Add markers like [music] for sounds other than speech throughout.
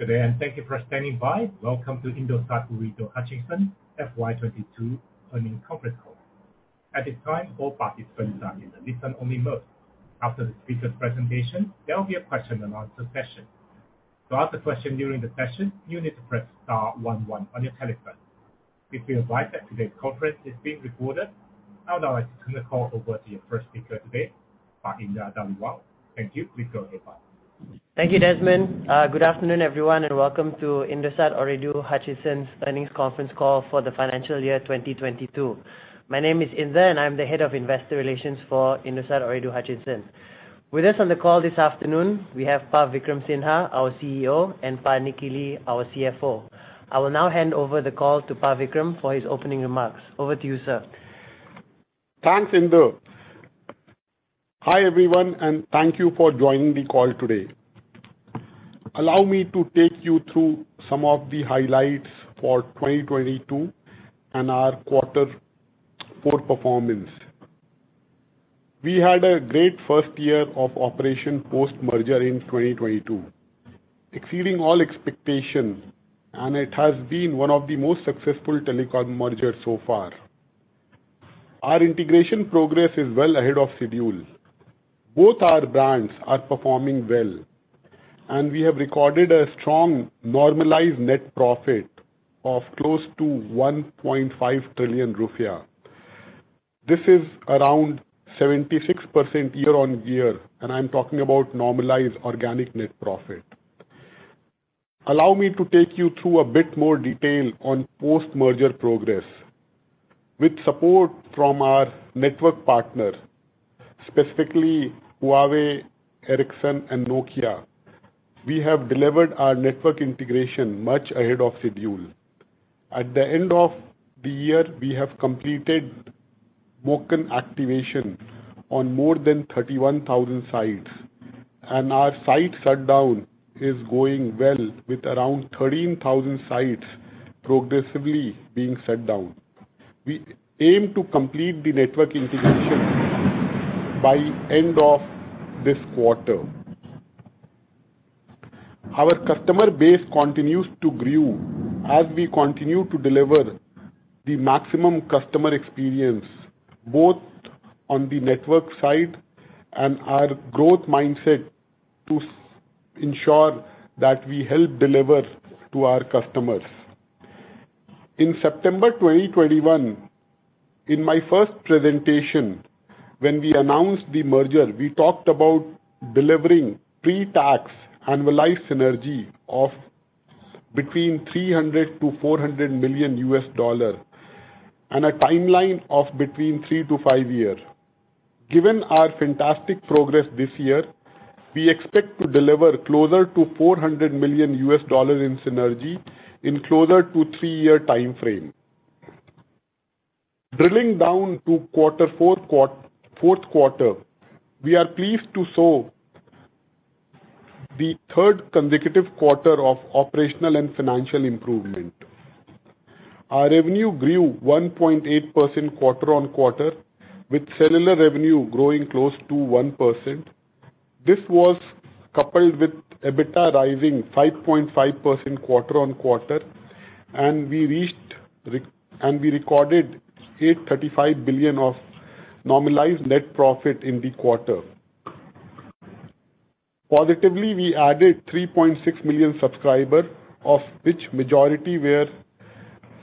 Today. Thank you for standing by. Welcome to Indosat Ooredoo Hutchison FY 2022 earnings conference call. At this time, all participants are in the listen-only mode. After the speaker presentation, there will be a question and answer session. To ask a question during the session, you need to press star one one on your telephone. We'd like to advise that today's conference is being recorded. I'd like to turn the call over to your first speaker today, Pak Indar Dhaliwal. Thank you. Please go ahead, Pak. Thank you, Desmond. Good afternoon, everyone, welcome to Indosat Ooredoo Hutchison's earnings conference call for the financial year 2022. My name is Indar, I'm the Head of Investor Relations for Indosat Ooredoo Hutchison. With us on the call this afternoon, we have Pav Vikram Sinha, our CEO, and Pak Nicky Lee, our CFO. I will now hand over the call to Pav Vikram for his opening remarks. Over to you, sir. Thanks, Indar. Hi, everyone, thank you for joining the call today. Allow me to take you through some of the highlights for 2022 and our quarter four performance. We had a great first year of operation post-merger in 2022, exceeding all expectations, and it has been one of the most successful telecom mergers so far. Our integration progress is well ahead of schedule. Both our brands are performing well, and we have recorded a strong normalized net profit of close to 1.5 trillion rupiah. This is around 76% year-on-year, and I'm talking about normalized organic net profit. Allow me to take you through a bit more detail on post-merger progress. With support from our network partner, specifically Huawei, Ericsson, and Nokia, we have delivered our network integration much ahead of schedule. At the end of the year, we have completed MOCN activation on more than 31,000 sites, and our site shutdown is going well, with around 13,000 sites progressively being shut down. We aim to complete the network integration by end of this quarter. Our customer base continues to grow as we continue to deliver the maximum customer experience, both on the network side and our growth mindset to ensure that we help deliver to our customers. In September 2021, in my first presentation when we announced the merger, we talked about delivering pre-tax annualized synergy of between $300 million-$400 million, and a timeline of between 3 to 5 years. Given our fantastic progress this year, we expect to deliver closer to $400 million in synergy in closer to 3-year timeframe. Drilling down to fourth quarter, we are pleased to show the third consecutive quarter of operational and financial improvement. Our revenue grew 1.8% quarter-on-quarter, with cellular revenue growing close to 1%. This was coupled with EBITDA rising 5.5% quarter-on-quarter, and we recorded 835 billion of normalized net profit in the quarter. Positively, we added 3.6 million subscriber, of which majority were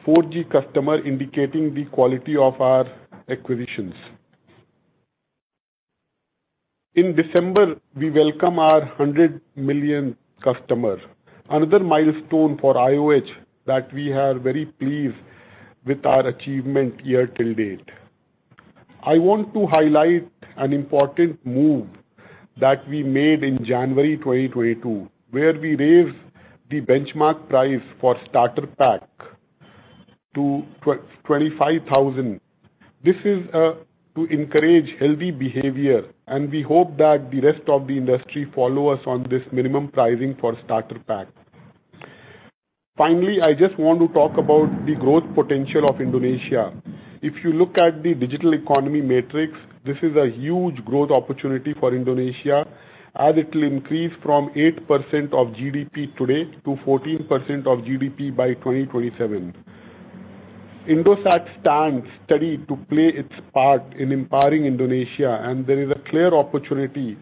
4G customer, indicating the quality of our acquisitions. In December, we welcome our 100 million customer, another milestone for IOH that we are very pleased with our achievement year till date. I want to highlight an important move that we made in January 2022, where we raised the benchmark price for starter pack to 25,000. This is to encourage healthy behavior. We hope that the rest of the industry follow us on this minimum pricing for starter pack. Finally, I just want to talk about the growth potential of Indonesia. If you look at the digital economy metrics, this is a huge growth opportunity for Indonesia, as it will increase from 8% of GDP today to 14% of GDP by 2027. Indosat stands steady to play its part in empowering Indonesia. There is a clear opportunity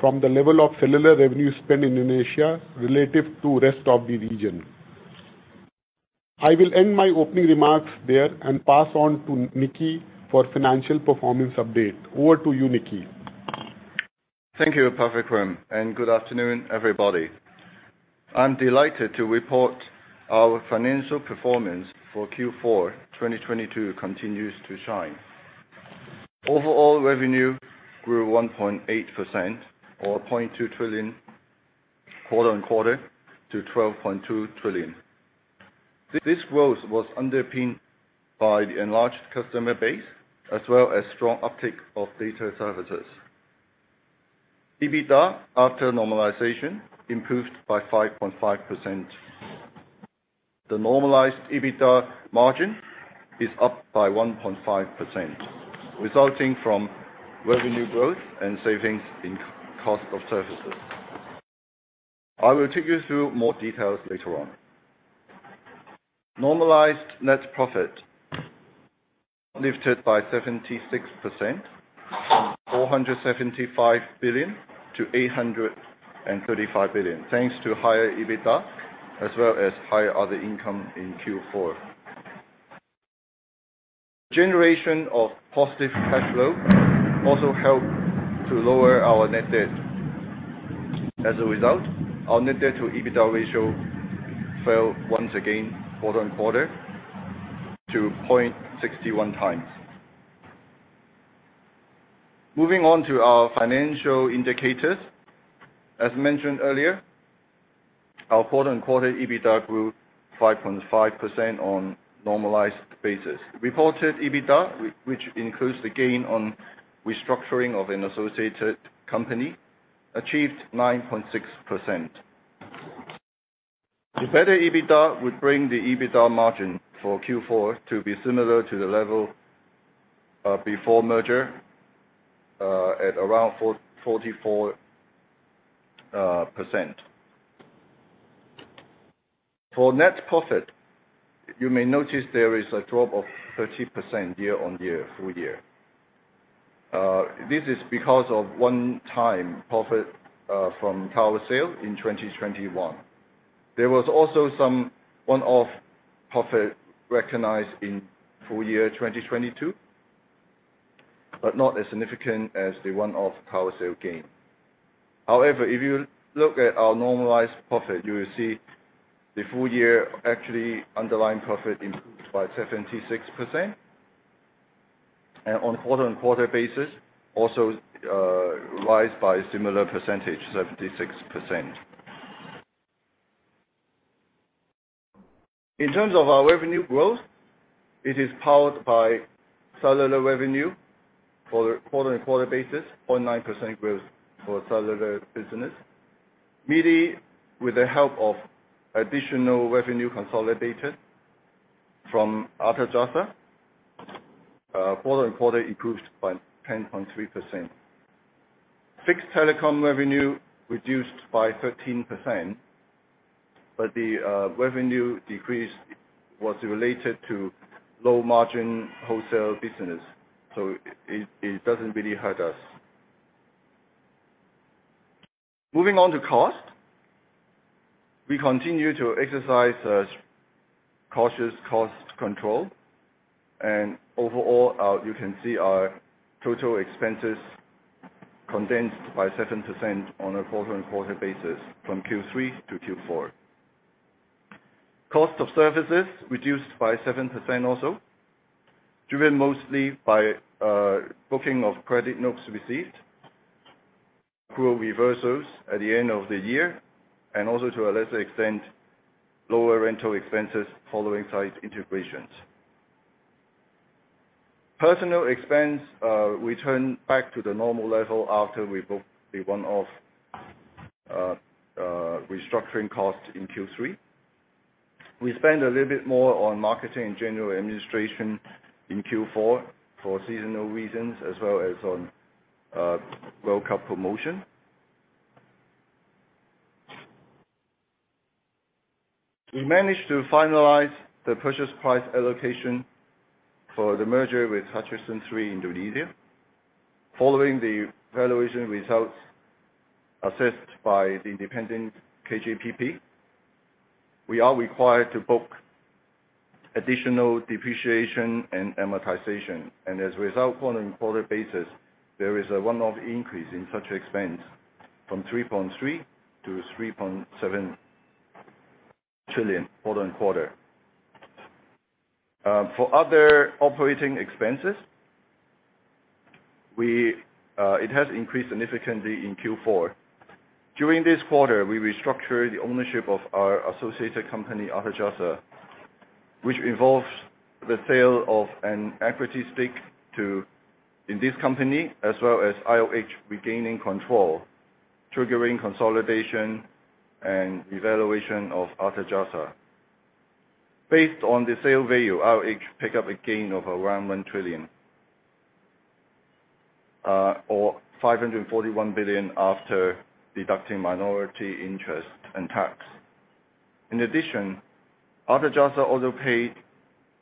from the level of cellular revenue spent Indonesia relative to rest of the region. I will end my opening remarks there and pass on to Nikki for financial performance update. Over to you, Nicky. Thank you, Pak Vikram. Good afternoon, everybody. I'm delighted to report our financial performance for Q4 2022 continues to shine. Overall revenue grew 1.8% or 0.2 trillion quarter-on-quarter to 12.2 trillion. This growth was underpinned by the enlarged customer base as well as strong uptick of data services. EBITDA after normalization improved by 5.5%. The normalized EBITDA margin is up by 1.5%, resulting from revenue growth and savings in cost of services. I will take you through more details later on. Normalized net profit lifted by 76%, from 475 billion to 835 billion, thanks to higher EBITDA as well as higher other income in Q4. Generation of positive cash flow also helped to lower our net debt. As a result, our net debt to EBITDA ratio fell once again quarter-over-quarter to 0.61x. Moving on to our financial indicators. As mentioned earlier, our quarter-over-quarter EBITDA grew 5.5% on normalized basis. Reported EBITDA, which includes the gain on restructuring of an associated company, achieved 9.6%. The better EBITDA would bring the EBITDA margin for Q4 to be similar to the level before merger at around 44%. For net profit, you may notice there is a drop of 30% year-over-year, full year. This is because of one-time profit from tower sale in 2021. There was also some one-off profit recognized in full year 2022, but not as significant as the one-off tower sale gain. However, if you look at our normalized profit, you will see the full year actually underlying profit improved by 76%. On quarter-on-quarter basis, also, rise by similar percentage, 76%. In terms of our revenue growth, it is powered by cellular revenue for quarter-on-quarter basis, 0.9% growth for cellular business. Media, with the help of additional revenue consolidated from Artajasa, quarter-on-quarter improved by 10.3%. Fixed telecom revenue reduced by 15%, but the revenue decrease was related to low margin wholesale business, so it doesn't really hurt us. Moving on to cost. We continue to exercise cautious cost control, and overall you can see our total expenses condensed by 7% on a quarter-on-quarter basis from Q3 to Q4. Cost of services reduced by 7% also, driven mostly by booking of credit notes received, accrual reversals at the end of the year, and also to a lesser extent, lower rental expenses following site integrations. Personnel expense returned back to the normal level after we booked the one-off restructuring cost in Q3. We spent a little bit more on marketing and general administration in Q4 for seasonal reasons, as well as on World Cup promotion. We managed to finalize the purchase price allocation for the merger with Hutchison 3 Indonesia. Following the valuation results assessed by the independent KJPP, we are required to book additional depreciation and amortization. As a result, quarter-on-quarter basis, there is a one-off increase in such expense from 3.3 trillion-3.7 trillion quarter-on-quarter. For other operating expenses, it has increased significantly in Q4. During this quarter, we restructured the ownership of our associated company, Artajasa, which involves the sale of an equity stake in this company, as well as IOH regaining control, triggering consolidation and revaluation of Artajasa. Based on the sale value, IOH pick up a gain of around 1 trillion, or 541 billion after deducting minority interest and tax. In addition, Artajasa also paid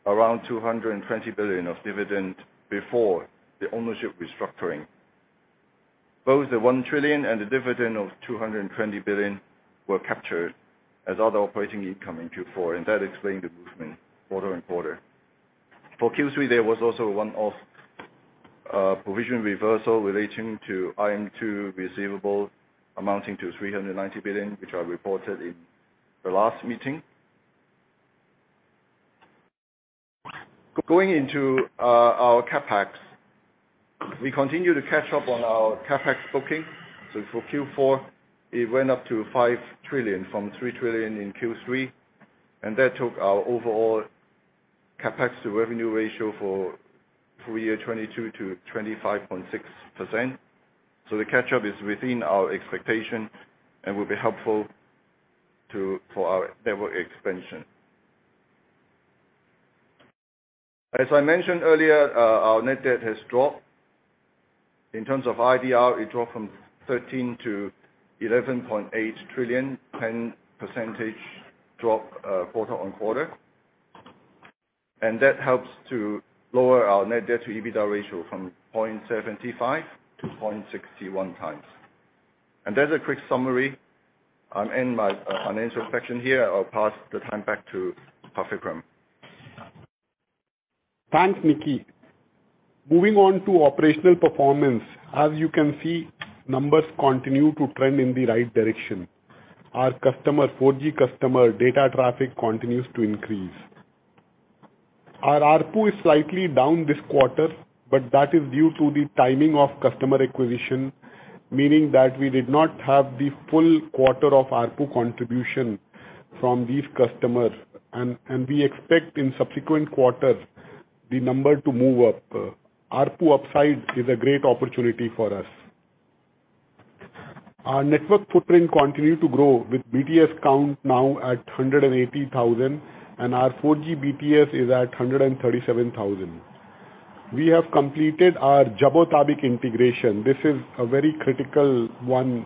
around 220 billion of dividend before the ownership restructuring. Both the 1 trillion and the dividend of 220 billion were captured as other operating income in Q4, that explained the movement quarter-on-quarter. For Q3, there was also a one-off provision reversal relating to IM2 receivable amounting to 390 billion, which I reported in the last meeting. Going into our CapEx, we continue to catch up on our CapEx booking. For Q4, it went up to 5 trillion from 3 trillion in Q3, that took our overall CapEx to revenue ratio for full year 2022 to 25.6%. The catch-up is within our expectation and will be helpful for our network expansion. As I mentioned earlier, our net debt has dropped. In terms of IDR, it dropped from 13 trillion to 11.8 trillion, 10% drop quarter-on-quarter. That helps to lower our net debt to EBITDA ratio from 0.75 to 0.61 times. That's a quick summary. I'll end my financial section here. I'll pass the time back to Vikram. Thanks, Nicky. Moving on to operational performance. As you can see, numbers continue to trend in the right direction. 4G customer data traffic continues to increase. Our ARPU is slightly down this quarter, but that is due to the timing of customer acquisition, meaning that we did not have the full quarter of ARPU contribution from these customers. We expect in subsequent quarters the number to move up. ARPU upside is a great opportunity for us. Our network footprint continue to grow, with BTS count now at 180,000, and our 4G BTS is at 137,000. We have completed our Jabotabek integration. This is a very critical one,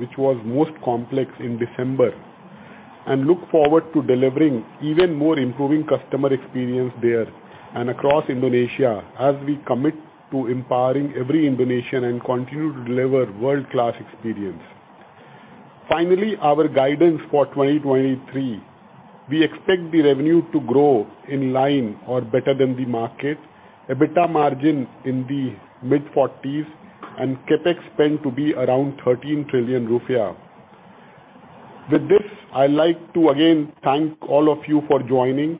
which was most complex in December. Look forward to delivering even more improving customer experience there and across Indonesia as we commit to empowering every Indonesian and continue to deliver world-class experience. Our guidance for 2023. We expect the revenue to grow in line or better than the market, EBITDA margin in the mid-forties, and CapEx spend to be around 13 trillion rupiah. With this, I like to again thank all of you for joining,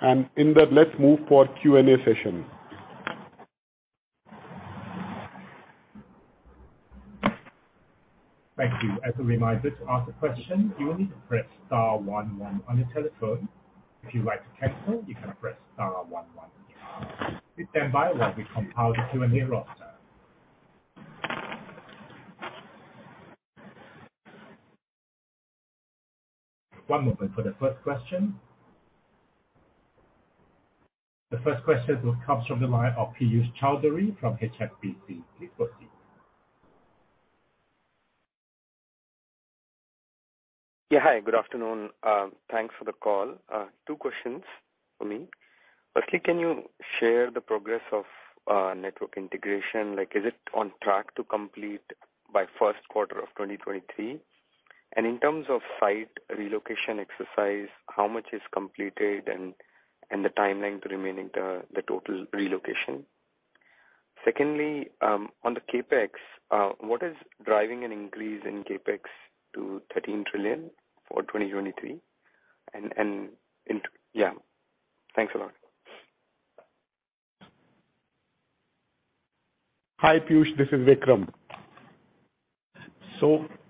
and in that, let's move for Q&A session. Thank you. As a reminder, to ask a question, you will need to press star one one on your telephone. If you'd like to cancel, you can press star one one. Please stand by while we compile the Q&A roster. One moment for the first question. The first question will come from the line of Piyush Choudhary from HSBC. Please proceed. Yeah, hi. Good afternoon. Thanks for the call. Two questions for me. Firstly, can you share the progress of network integration? Like, is it on track to complete by first quarter of 2023? In terms of site relocation exercise, how much is completed and the timeline to remaining the total relocation? Secondly, on the CapEx, what is driving an increase in CapEx to 13 trillion for 2023? Yeah. Thanks a lot. Hi, Piyush, this is Vikram.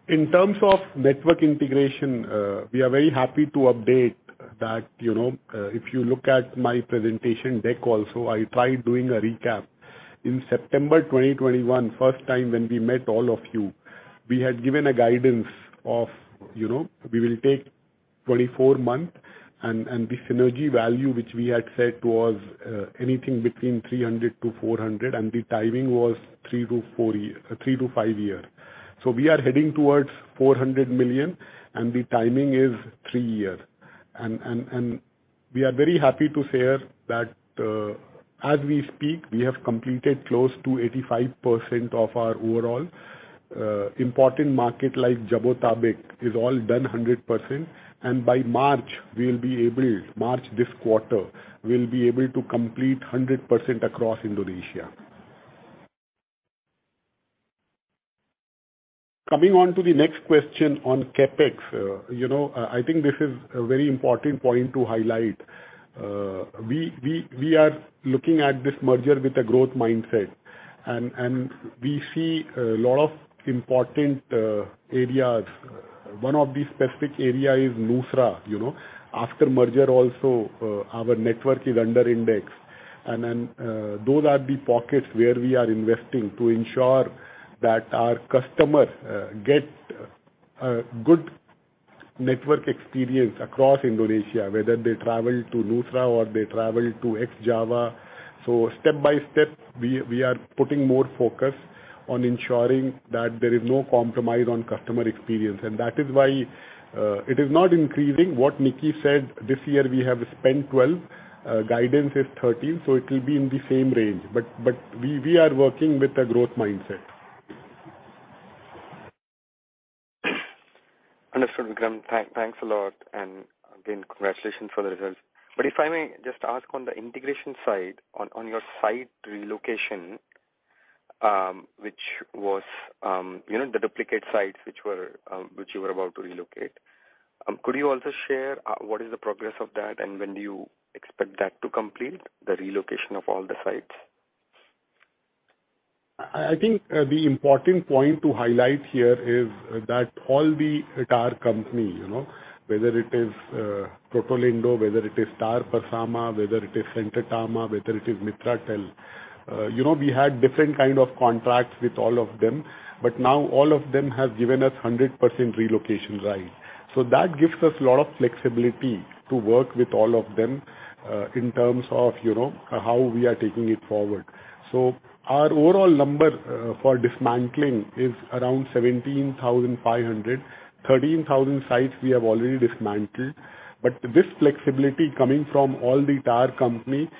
In terms of network integration, we are very happy to update that, if you look at my presentation deck also, I tried doing a recap. In September 2021, first time when we met all of you, we had given a guidance of, we will take 24 month and the synergy value which we had said was anything between $300 million-$400 million, and the timing was 3-4 year, 3-5 year. We are heading towards $400 million, and the timing is 3 year. We are very happy to share that, as we speak, we have completed close to 85% of our overall. Important market like Jabotabek is all done 100%. By March, we'll be able... March this quarter, we'll be able to complete 100% across Indonesia. Coming on to the next question on CapEx. You know, I think this is a very important point to highlight. We are looking at this merger with a growth mindset. We see a lot of important areas. One of the specific area is Nusra, you know. After merger also, our network is under index. Those are the pockets where we are investing to ensure that our customers get a good network experience across Indonesia, whether they travel to Nusra or they travel to ex-Java. Step by step, we are putting more focus on ensuring that there is no compromise on customer experience. That is why it is not increasing. What Nicky said, this year we have spent 12, guidance is 13, it will be in the same range. We are working with a growth mindset. Understood, Vikram. Thanks a lot. Again, congratulations for the results. If I may just ask on the integration side, on your site relocation, which was, you know, the duplicate sites which were, which you were about to relocate, could you also share what is the progress of that, and when do you expect that to complete, the relocation of all the sites? I think the important point to highlight here is that all the tower company, you know, whether it is Protelindo, whether it is Tower Bersama, whether it is Centratama, whether it is Mitratel, you know, we had different kind of contracts with all of them, now all of them have given us 100% relocation rights. That gives us a lot of flexibility to work with all of them, in terms of, you know, how we are taking it forward. Our overall number for dismantling is around 17,500. 13,000 sites we have already dismantled. This flexibility coming from all the tower company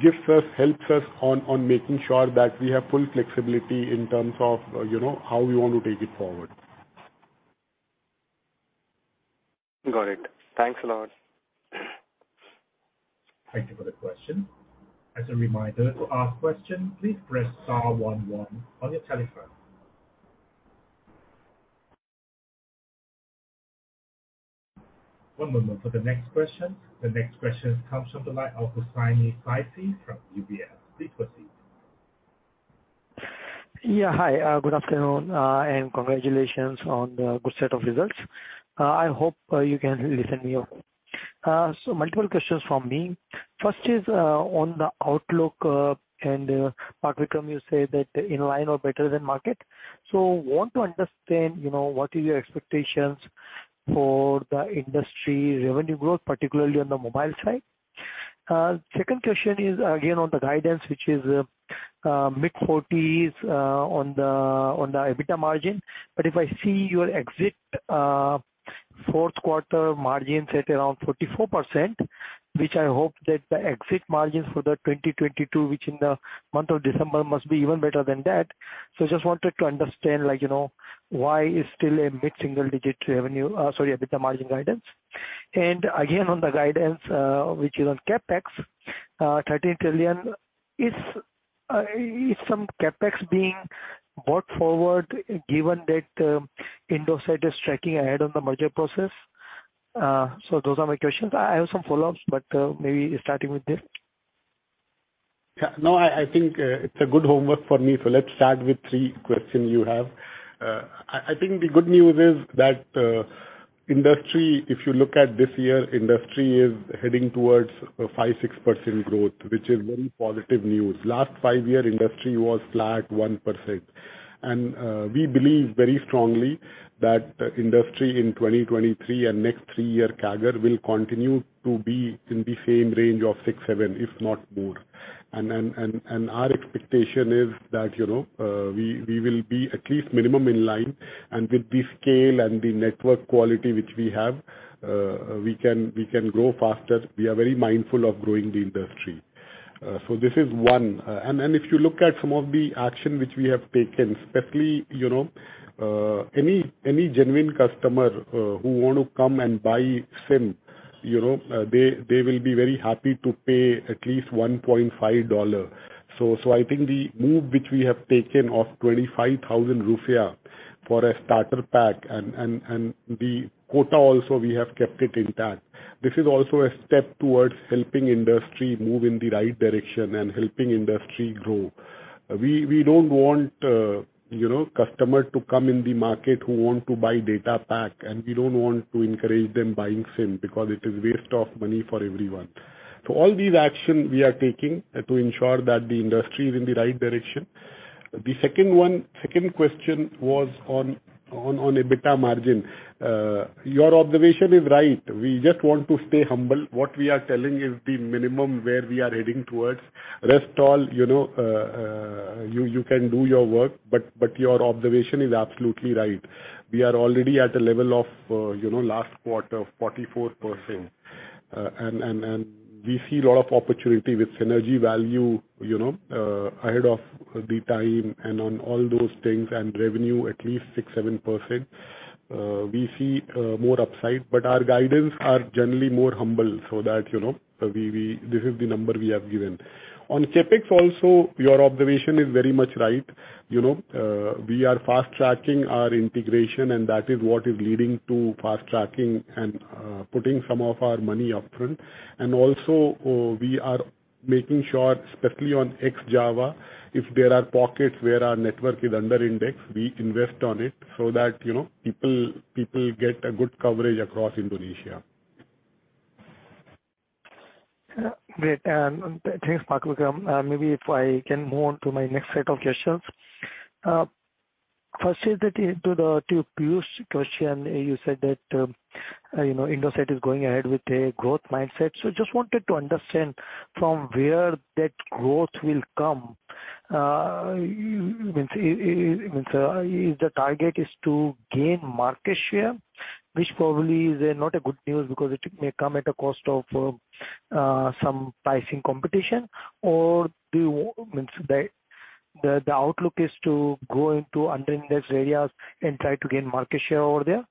gives us, helps us on making sure that we have full flexibility in terms of, you know, how we want to take it forward. Got it. Thanks a lot. Thank you for the question. As a reminder to ask question, please press star one one on your telephone. One moment for the next question. The next question comes from the line of Husaini Faisal from UBS. Please proceed. Yeah. Hi. Good afternoon, and congratulations on the good set of results. I hope you can hear me okay. Multiple questions from me. First is on the outlook, and Vikram, you say that in line or better than market. Want to understand, you know, what is your expectations for the industry revenue growth, particularly on the mobile side. Second question is again on the guidance, which is mid-40s on the EBITDA margin. If I see your exit, fourth quarter margins at around 44%, which I hope that the exit margins for the 2022, which in the month of December must be even better than that. Just wanted to understand, like you know, why it's still a mid-single digit revenue, sorry, EBITDA margin guidance. On the guidance, which is on CapEx, 13 trillion, is some CapEx being brought forward given that Indosat is tracking ahead on the merger process? Those are my questions. I have some follow-ups, but maybe starting with this. Yeah. No, I think it's a good homework for me. Let's start with 3 question you have. I think the good news is that industry, if you look at this year, industry is heading towards a 5%-6% growth, which is very positive news. Last 5 year industry was flat 1%. We believe very strongly that industry in 2023 and next 3 year CAGR will continue to be in the same range of 6-7, if not more. Our expectation is that, you know, we will be at least minimum in line. With the scale and the network quality which we have, we can grow faster. We are very mindful of growing the industry. This is one. If you look at some of the action which we have taken, especially, you know, any genuine customer who want to come and buy SIM, you know, they will be very happy to pay at least $1.5. I think the move which we have taken of 25,000 rupiah for a starter pack and the quota also we have kept it intact. This is also a step towards helping industry move in the right direction and helping industry grow. We don't want, you know, customer to come in the market who want to buy data pack, and we don't want to encourage them buying SIM because it is waste of money for everyone. All these action we are taking to ensure that the industry is in the right direction. The second one... Second question was on EBITDA margin. Your observation is right. We just want to stay humble. What we are telling is the minimum where we are heading towards. Rest all, you know, you can do your work, but your observation is absolutely right. We are already at a level of, you know, last quarter of 44%. We see a lot of opportunity with synergy value, you know, ahead of the time and on all those things, and revenue at least 6%-7%. We see more upside, but our guidance are generally more humble so that, you know, this is the number we have given. On CapEx also, your observation is very much right. You know, we are fast-tracking our integration, and that is what is leading to fast-tracking and putting some of our money up front. We are making sure, especially on ex-Java, if there are pockets where our network is under index, we invest on it so that, you know, people get a good coverage across Indonesia. Yeah. Great. Thanks, Vikram. Maybe if I can move on to my next set of questions. First is that to Piyush's question, you said that, you know, Indosat is going ahead with a growth mindset. Just wanted to understand from where that growth will come. Means if the target is to gain market share, which probably is not a good news because it may come at a cost of some pricing competition or Means the outlook is to go into under indexed areas and try to gain market share over there,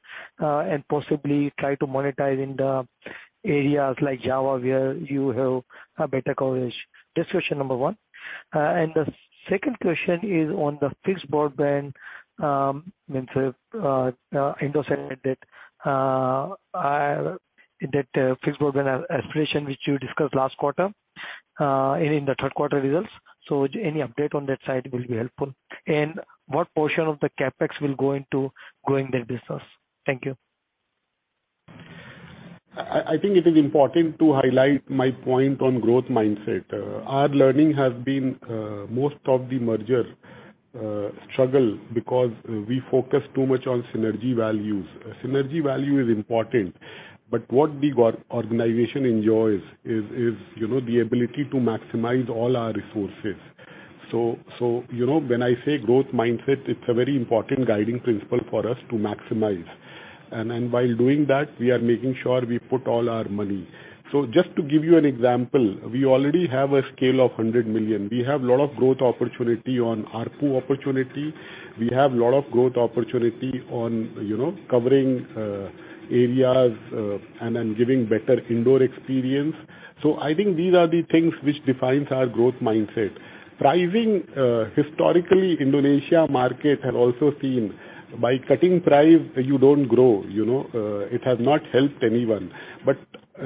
and possibly try to monetize in the areas like Java where you have a better coverage. That's question number 1. The second question is on the fixed broadband, means Indosat did. That fixed broadband aspiration which you discussed last quarter, in the third quarter results. Any update on that side will be helpful. What portion of the CapEx will go into growing that business? Thank you. I think it is important to highlight my point on growth mindset. Our learning has been most of the merger struggle because we focus too much on synergy values. Synergy value is important, but what the organization enjoys is, you know, the ability to maximize all our resources. You know, when I say growth mindset, it's a very important guiding principle for us to maximize. While doing that, we are making sure we put all our money. Just to give you an example, we already have a scale of 100 million. We have a lot of growth opportunity on ARPU opportunity. We have a lot of growth opportunity on, you know, covering areas and then giving better indoor experience. I think these are the things which defines our growth mindset. Pricing, historically, Indonesia market had also seen by cutting price you don't grow, you know? It has not helped anyone.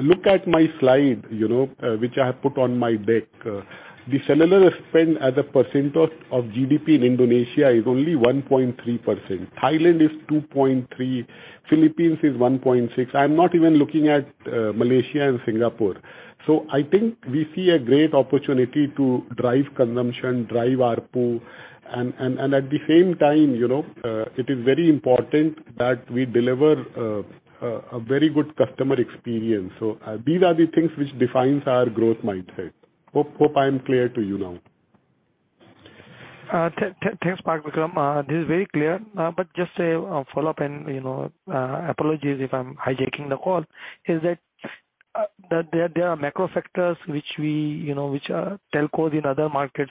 Look at my slide, you know, which I have put on my deck. The cellular spend as a percent of GDP in Indonesia is only 1.3%. Thailand is 2.3%, Philippines is 1.6%. I'm not even looking at Malaysia and Singapore. I think we see a great opportunity to drive consumption, drive ARPU, and at the same time, you know, it is very important that we deliver a very good customer experience. These are the things which defines our growth mindset. Hope I'm clear to you now. Thanks, Vikram. This is very clear. Just a follow-up and, you know, apologies if I'm hijacking the call, is that, there are macro factors which we, you know, which telcos in other markets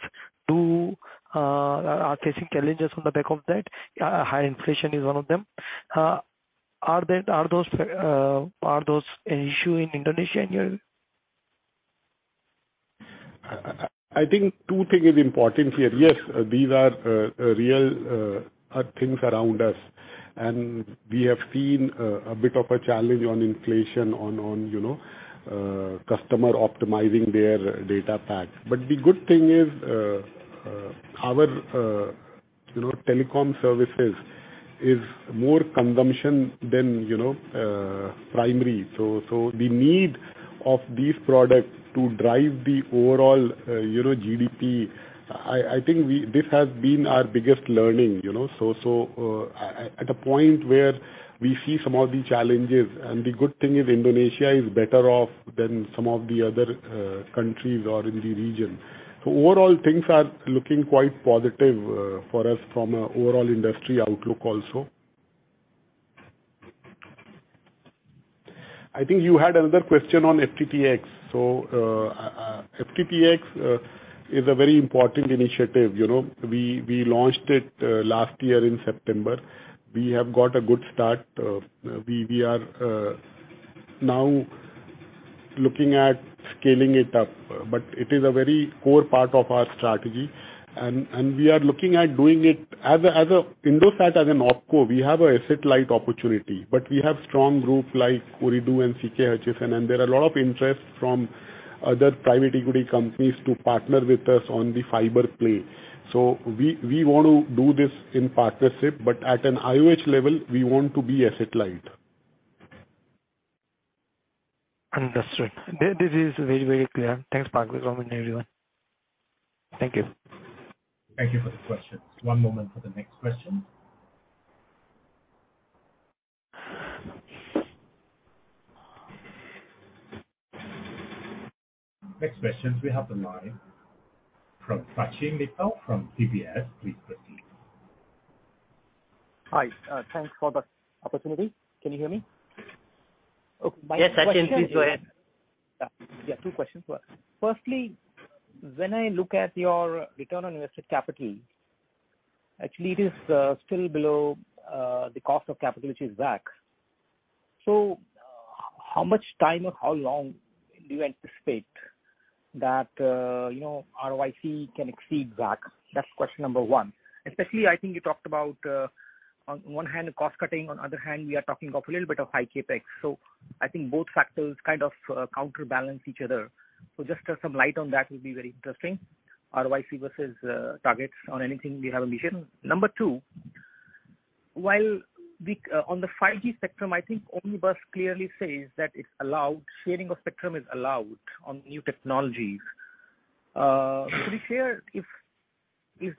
are facing challenges on the back of that. High inflation is one of them. Are those an issue in Indonesia in your... I think two thing is important here. Yes, these are real things around us, and we have seen a bit of a challenge on inflation, on, you know, customer optimizing their data packs. The good thing is, our, you know, telecom services is more consumption than, you know, primary. The need of these products to drive the overall, you know, GDP, I think. This has been our biggest learning, you know. At a point where we see some of the challenges, and the good thing is Indonesia is better off than some of the other countries or in the region. Overall things are looking quite positive for us from a overall industry outlook also. I think you had another question on FTTX. FTTX is a very important initiative, you know. We launched it last year in September. We have got a good start. We are now looking at scaling it up, but it is a very core part of our strategy and we are looking at doing it as a Indosat as an opco, we have a satellite opportunity, but we have strong group like Ooredoo and CK Hutchison, and there are a lot of interest from other private equity companies to partner with us on the fiber play. We want to do this in partnership, but at an IOH level, we want to be a satellite. Understood. This is very, very clear. Thanks, Vikram and everyone. Thank you. Thank you for the question. One moment for the next question. Next questions we have the line from Sachin Mittal from DBS. Please proceed. Hi. Thanks for the opportunity. Can you hear me? [crosstalk] Yes, Sachin, please go ahead. Yeah. Two questions. Firstly, when I look at your return on invested capital, actually it is still below the cost of capital, which is WACC. How much time or how long do you anticipate that, you know, ROIC can exceed WACC? That's question number one. Especially, I think you talked about on one hand, cost cutting, on the other hand, we are talking of a little bit of high CapEx. I think both factors kind of counterbalance each other. Just to have some light on that would be very interesting. ROIC versus targets on anything we have a mission. Number two, on the 5G spectrum, I think Omnibus clearly says that it's allowed, sharing of spectrum is allowed on new technologies. To be clear, if, do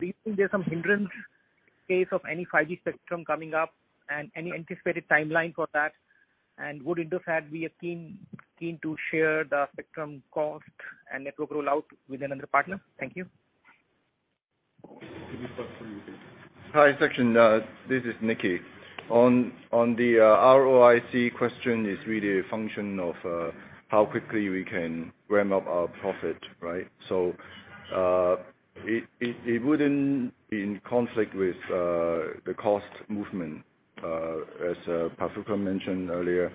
you think there's some hindrance in case of any 5G spectrum coming up and any anticipated timeline for that? Would Indosat be a keen to share the spectrum cost and network rollout with another partner? Thank you. Can we start from you, Nicky? Hi, Sachin. This is Nicky. On the ROIC question is really a function of how quickly we can ramp up our profit, right? It wouldn't be in conflict with the cost movement. As Vikram mentioned earlier,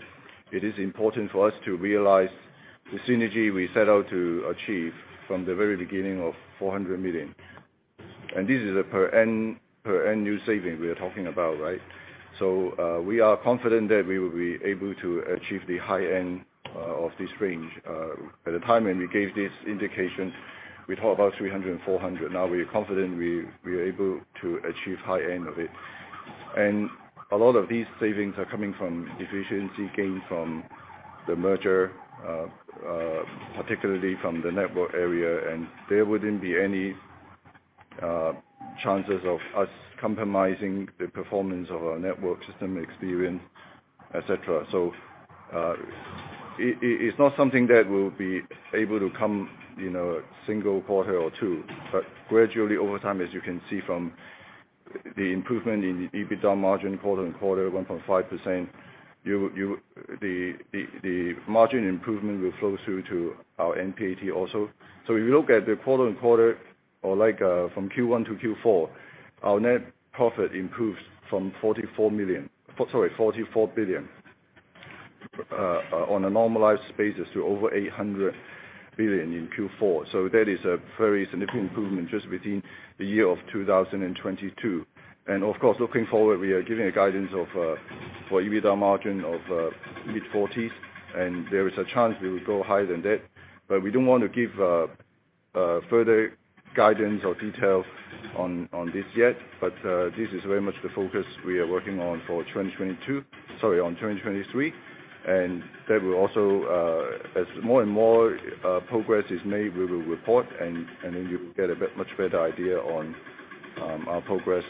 it is important for us to realize the synergy we set out to achieve from the very beginning of $400 million. This is a per end new saving we are talking about, right? We are confident that we will be able to achieve the high end of this range. At the time when we gave this indication, we talked about $300 million and $400 million. Now we are confident we are able to achieve high end of it. A lot of these savings are coming from efficiency gain from the merger, particularly from the network area, and there wouldn't be any chances of us compromising the performance of our network system experience, et cetera. It's not something that will be able to come in a single quarter or two, but gradually over time, as you can see from the improvement in the EBITDA margin quarter-on-quarter 1.5%. The margin improvement will flow through to our NPAT also. If you look at the quarter-on-quarter or like, from Q1 to Q4, our net profit improves from 44 million... sorry, 44 billion, on a normalized basis to over 800 billion in Q4. That is a very significant improvement just within the year of 2022. Of course, looking forward, we are giving a guidance of for EBITDA margin of mid-40s%, and there is a chance we will go higher than that. We don't want to give further guidance or details on this yet. This is very much the focus we are working on for 2023. That will also, as more and more progress is made, we will report and then you'll get a much better idea on our progress.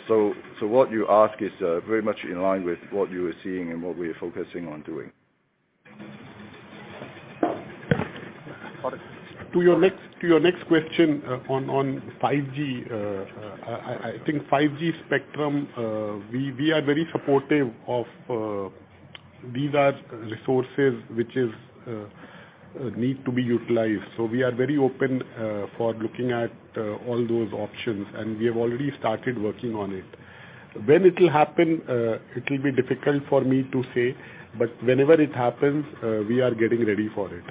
What you ask is very much in line with what you are seeing and what we are focusing on doing. To your next question on 5G. I think 5G spectrum we are very supportive of, these are resources which is need to be utilized. We are very open for looking at all those options, and we have already started working on it. When it will happen, it will be difficult for me to say, but whenever it happens, we are getting ready for it.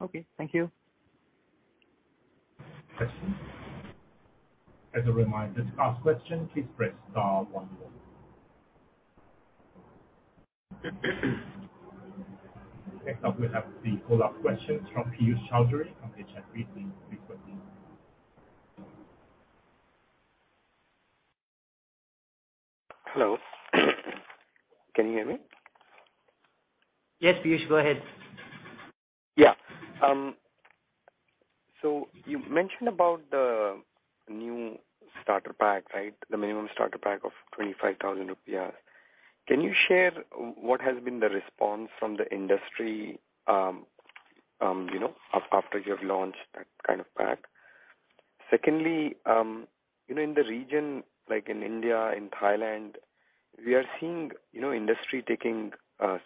Okay, thank you. As a reminder, to ask question, please press star 1. Next up we have the follow-up questions from Piyush Choudhary from HSBC. Hello. Can you hear me? Yes, Piyush, go ahead. Yeah. You mentioned about the new starter pack, right? The minimum starter pack of IDR 25,000. Can you share what has been the response from the industry, you know, after you have launched that kind of pack? Secondly, you know, in the region, like in India, in Thailand, we are seeing, you know, industry taking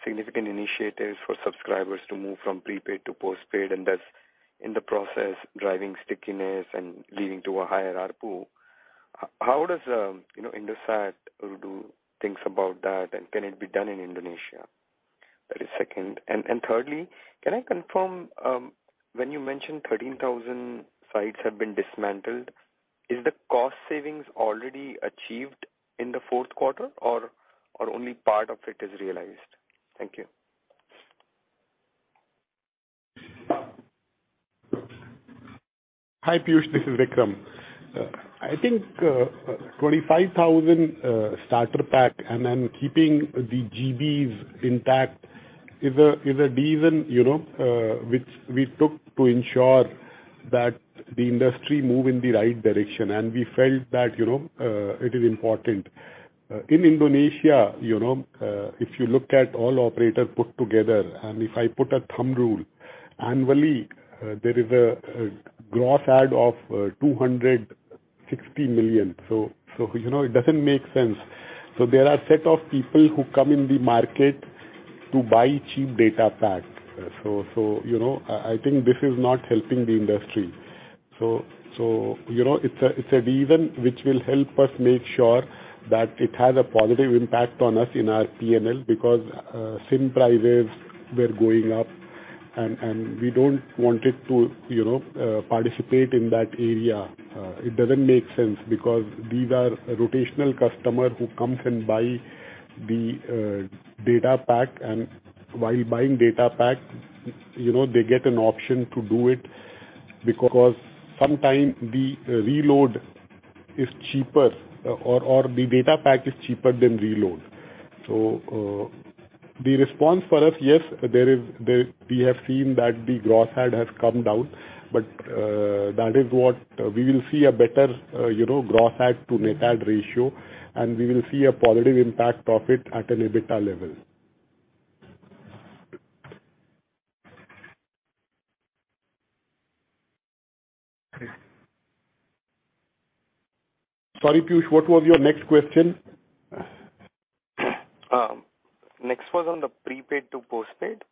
significant initiatives for subscribers to move from prepaid to postpaid, and that's in the process driving stickiness and leading to a higher ARPU. How does, you know, Indosat Ooredoo thinks about that, and can it be done in Indonesia? That is second. Thirdly, can I confirm, when you mentioned 13,000 sites have been dismantled, is the cost savings already achieved in the fourth quarter or only part of it is realized? Thank you. Hi, Piyush, this is Vikram. I think, 25,000, starter pack and then keeping the GBs intact is a reason, you know, which we took to ensure that the industry move in the right direction. We felt that, you know, it is important. In Indonesia, you know, if you look at all operators put together, and if I put a thumb rule, annually, there is a gross add of 260 million. You know, it doesn't make sense. There are set of people who come in the market to buy cheap data packs. You know, I think this is not helping the industry. You know, it's a reason which will help us make sure that it has a positive impact on us in our P&L because SIM prices were going up and we don't want it to, you know, participate in that area. It doesn't make sense because these are rotational customer who comes and buy the data pack. While buying data pack, you know, they get an option to do it because sometime the reload is cheaper or the data pack is cheaper than reload. The response for us, yes, there is we have seen that the gross add has come down, but that is what we will see a better, you know, gross add to net add ratio, and we will see a positive impact of it at an EBITDA level. Sorry, Piyush, what was your next question? Next was on the prepaid to postpaid.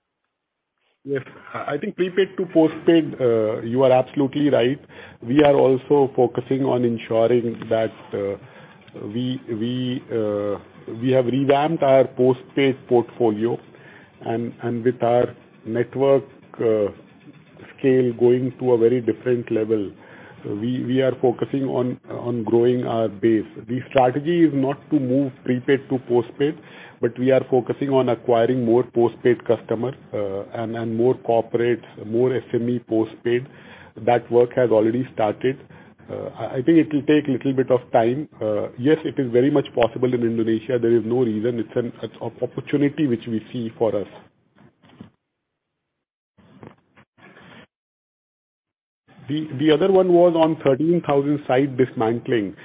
Yes. I think prepaid to postpaid, you are absolutely right. We are also focusing on ensuring that we have revamped our postpaid portfolio. With our network scale going to a very different level, we are focusing on growing our base. The strategy is not to move prepaid to postpaid, but we are focusing on acquiring more postpaid customer and more corporates, more SME postpaid. That work has already started. I think it'll take little bit of time. Yes, it is very much possible in Indonesia. There is no reason. It's an opportunity which we see for us. The other one was on 13,000 site dismantling.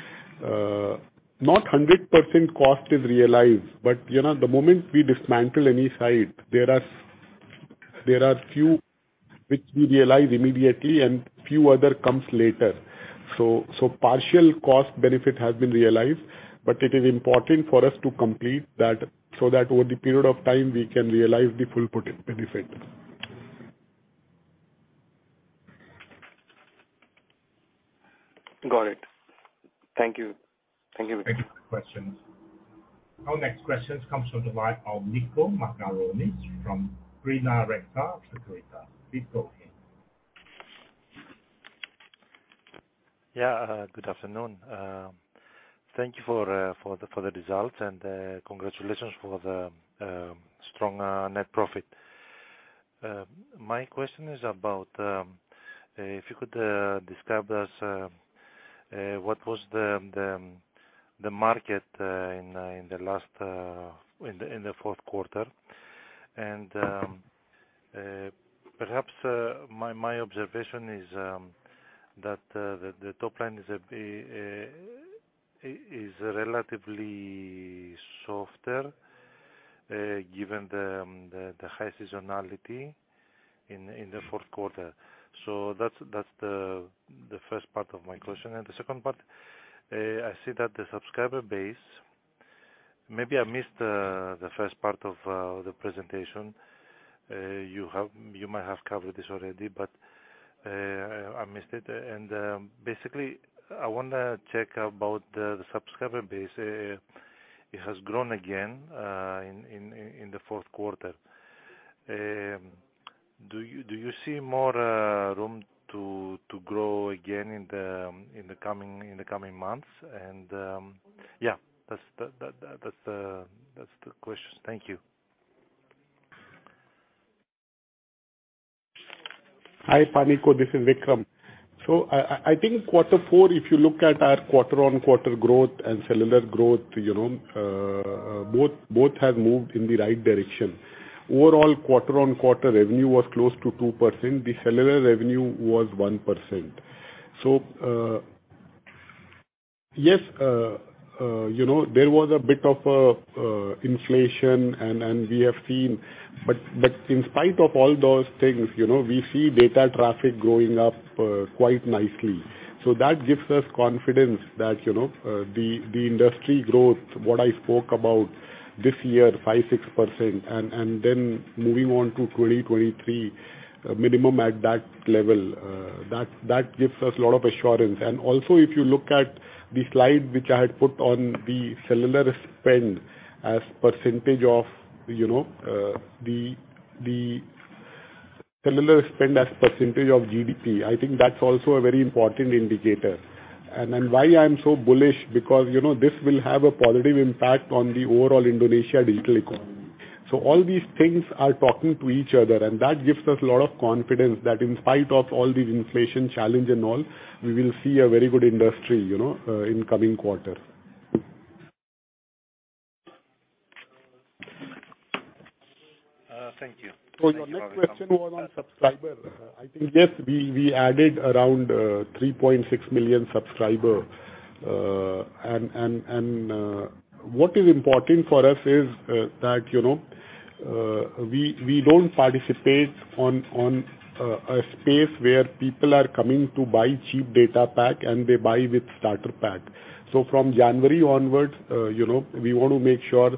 Not 100% cost is realized, but, you know, the moment we dismantle any site, there are few which we realize immediately and few other comes later. Partial cost benefit has been realized, but it is important for us to complete that, so that over the period of time, we can realize the full benefit. Got it. Thank you. Thank you, Vikram. Thank you for the questions. Our next question comes from the line of Nico Margaronis from Prima Reksa Sekuritas. Please go ahead. Good afternoon. Thank you for the results and congratulations for the strong net profit. My question is about if you could describe us what was the market in the fourth quarter. Perhaps my observation is that the top line is relatively softer given the high seasonality in the fourth quarter. That's the first part of my question. The second part, I see that the subscriber base. Maybe I missed the first part of the presentation. You might have covered this already, but I missed it. Basically, I wanna check about the subscriber base. It has grown again in the fourth quarter. Do you see more room to grow again in the coming months? Yeah, that's the question. Thank you. Hi, Panico, this is Vikram. I think Q4, if you look at our quarter-on-quarter growth and cellular growth, you know, both have moved in the right direction. Overall, quarter-on-quarter revenue was close to 2%. The cellular revenue was 1%. Yes, you know, there was a bit of inflation and we have seen, but in spite of all those things, you know, we see data traffic going up quite nicely. That gives us confidence that, you know, the industry growth, what I spoke about this year, 5%-6%, and then moving on to 2023, minimum at that level, that gives us a lot of assurance. Also, if you look at the slide which I had put on the cellular spend as percentage of, you know, the cellular spend as percentage of GDP, I think that's also a very important indicator. Then why I'm so bullish, because, you know, this will have a positive impact on the overall Indonesia digital economy. All these things are talking to each other, and that gives us a lot of confidence that in spite of all these inflation challenge and all, we will see a very good industry, you know, in coming quarters. Thank you. Your next question was on subscriber. I think, yes, we added around 3.6 million subscriber. What is important for us is that, you know, we don't participate on a space where people are coming to buy cheap data pack and they buy with starter pack. From January onwards, you know, we want to make sure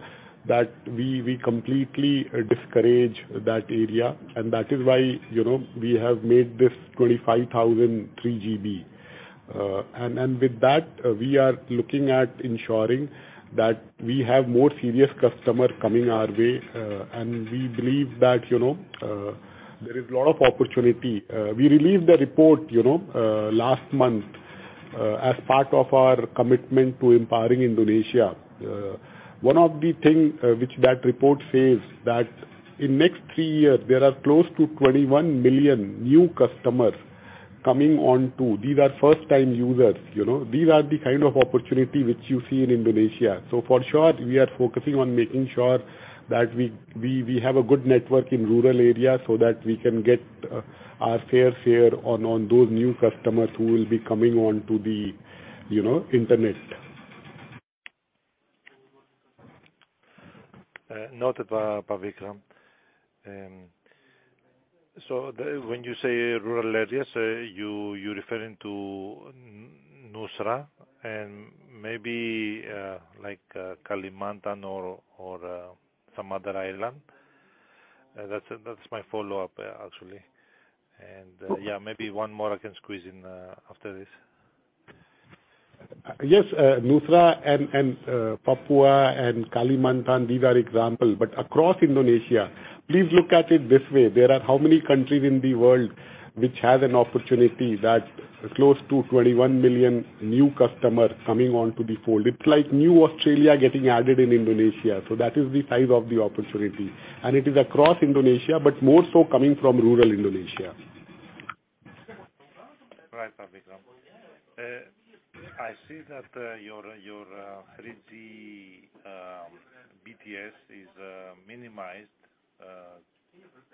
that we completely discourage that area. That is why, you know, we have made this 25,000 3 GB. With that, we are looking at ensuring that we have more serious customer coming our way. We believe that, you know, there is a lot of opportunity. We released a report, you know, last month, as part of our commitment to empowering Indonesia. One of the thing which that report says that in next 3 years, there are close to 21 million new customers coming on to. These are first time users, you know. These are the kind of opportunity which you see in Indonesia. For sure, we are focusing on making sure that we have a good network in rural areas so that we can get our fair share on those new customers who will be coming onto the, you know, internet. noted, Vikram. When you say rural areas, you're referring to Nusra and maybe, like, Kalimantan or, some other island? That's my follow-up, actually. Yeah, maybe one more I can squeeze in after this. Yes, Nusra and Papua and Kalimantan, these are example. Across Indonesia, please look at it this way, there are how many countries in the world which have an opportunity that close to 21 million new customers coming onto the fold. It's like new Australia getting added in Indonesia. That is the size of the opportunity. It is across Indonesia, but more so coming from rural Indonesia. Right, Vikram. I see that your 3G BTS is minimized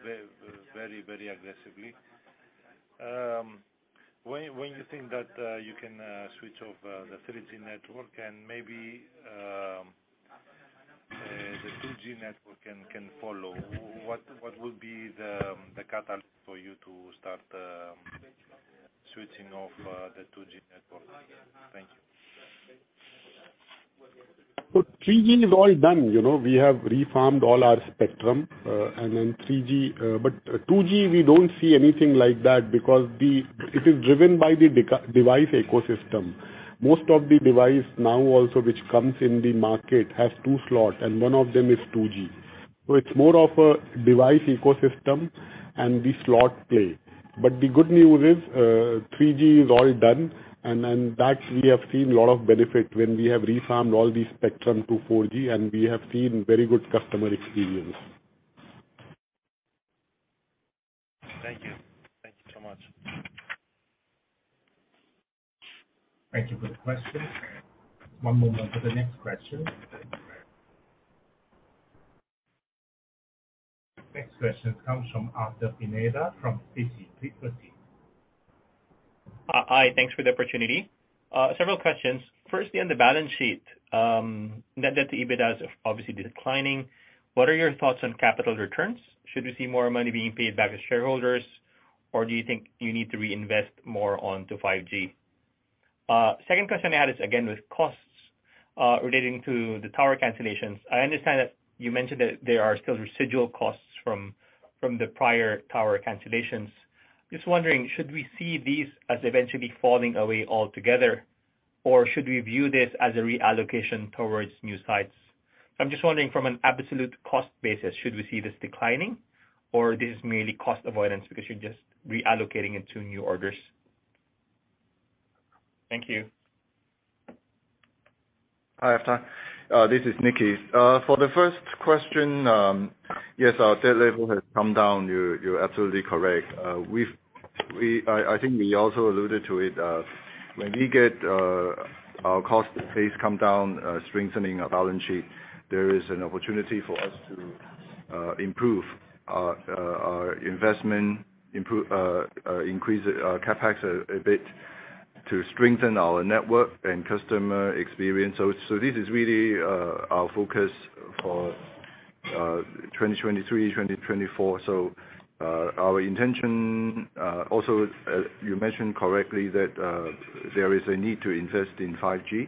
very aggressively. When you think that you can switch off the 3G network and maybe the 2G network can follow, what will be the catalyst for you to start switching off the 2G network? Thank you. 3G is all done. You know, we have reformed all our spectrum, 3G. 2G, we don't see anything like that because it is driven by the device ecosystem. Most of the device now also which comes in the market has two slots, and one of them is 2G. It's more of a device ecosystem and the slot play. The good news is, 3G is all done, and that we have seen a lot of benefit when we have reformed all the spectrum to 4G, and we have seen very good customer experience. Thank you. Thank you so much. Thank you for the question. One moment for the next question. Next question comes from Arthur Pineda from Citi. Hi. Thanks for the opportunity. Several questions. Firstly, on the balance sheet, net debt to EBITDA obviously declining, what are your thoughts on capital returns? Should we see more money being paid back to shareholders, or do you think you need to reinvest more onto 5G? Second question I had is again, with costs, relating to the tower cancellations. I understand that you mentioned that there are still residual costs from the prior tower cancellations. Just wondering, should we see these as eventually falling away altogether, or should we view this as a reallocation towards new sites? I'm just wondering from an absolute cost basis, should we see this declining or this is merely cost avoidance because you're just reallocating it to new orders? Thank you. Hi, Arthur. This is Nicky. For the first question, yes, our debt level has come down. You're absolutely correct. I think we also alluded to it. When we get our cost base come down, strengthening our balance sheet, there is an opportunity for us to improve our investment, increase our CapEx a bit to strengthen our network and customer experience. This is really our focus for 2023, 2024. Our intention also, you mentioned correctly that there is a need to invest in 5G,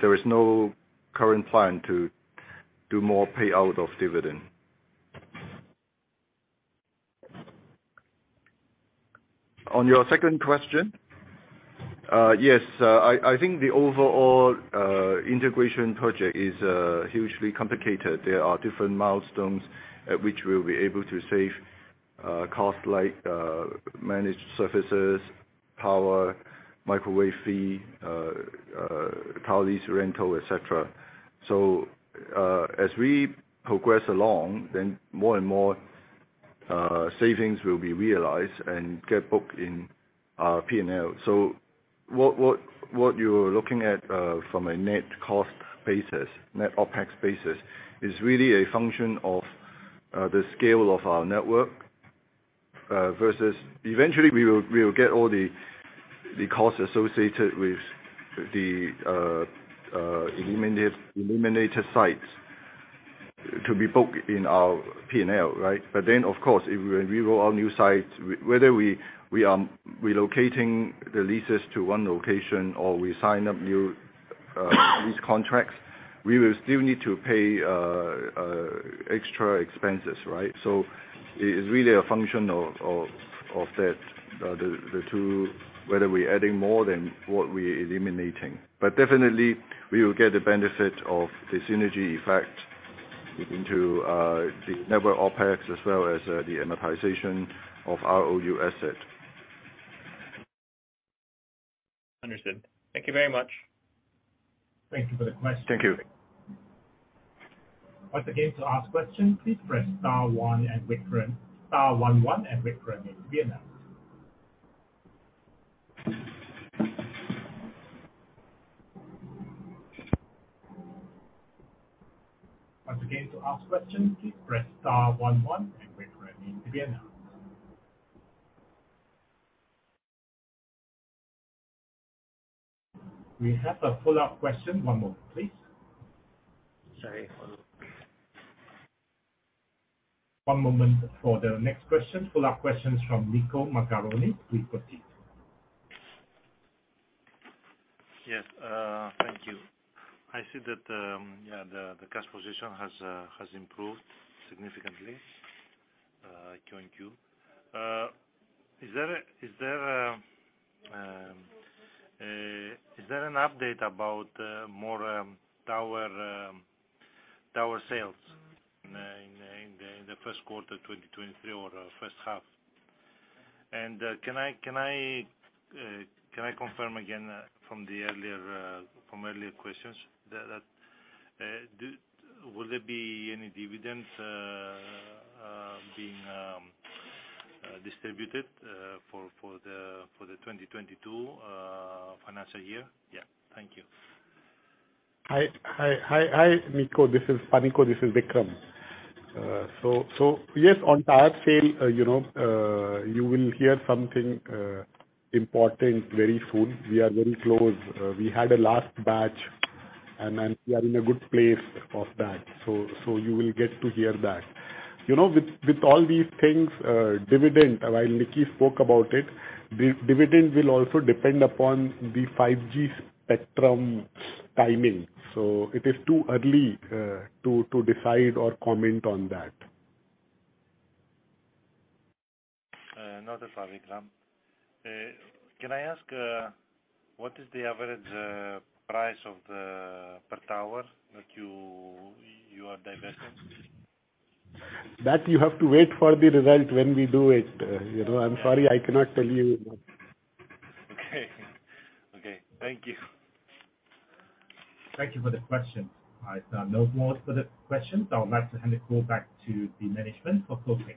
there is no current plan to do more payout of dividend. On your second question, yes, I think the overall integration project is hugely complicated. There are different milestones at which we'll be able to save costs like managed services, power, microwave fee, power lease rental, et cetera. As we progress along, then more and more savings will be realized and get booked in our P&L. What you're looking at from a net cost basis, net OpEx basis, is really a function of the scale of our network versus... Eventually we will get all the costs associated with the eliminated sites to be booked in our P&L, right? Of course, if when we roll out new sites, whether we are relocating the leases to one location or we sign up new lease contracts, we will still need to pay extra expenses, right? It is really a function of that, the two, whether we're adding more than what we're eliminating. Definitely we will get the benefit of the synergy effect into the network OpEx as well as the amortization of our ROU asset. Understood. Thank you very much. Thank you for the question. Thank you. Once again, to ask question, please press star one one and wait for it to be announced. Once again, to ask question, please press star one one and wait for your name to be announced. We have a follow-up question. One moment, please. Sorry, follow-up. One moment for the next question. Follow-up question's from Nico Margaronis with 40. Yes. Thank you. I see that the cash position has improved significantly. I join you. Is there an update about more tower sales in the first quarter 2023 or first half? Can I confirm again from earlier questions that will there be any dividends being distributed for the 2022 financial year? Thank you. Hi, Hi, Nico. This is Panico. This is Vikram. Yes, on tower sale, you know, you will hear something important very soon. We are very close. We had a last batch, and then we are in a good place for that. You will get to hear that. You know, with all these things, dividend, while Nicky spoke about it, dividend will also depend upon the 5G spectrum timing, it is too early, to decide or comment on that. Another one, Vikram. Can I ask what is the average price of the per tower that you are divesting? That you have to wait for the result when we do it. You know, I'm sorry, I cannot tell you that. Okay. Okay. Thank you. Thank you for the question. No more further questions. I would like to hand the call back to the management for closing.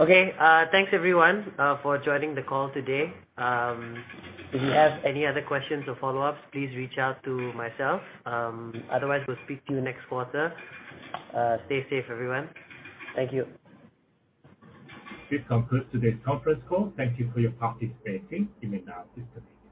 Okay. Thanks, everyone, for joining the call today. If you have any other questions or follow-ups, please reach out to myself. Otherwise we'll speak to you next quarter. Stay safe, everyone. Thank you. This concludes today's conference call. Thank you for your participation. You may now disconnect.